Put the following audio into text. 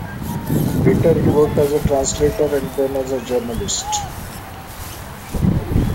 Later he worked as a translator, then as a journalist.